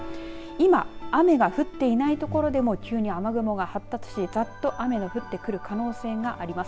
今、雨が降っていない所でも急に雨雲が発達してざっと雨の降ってくる可能性があります。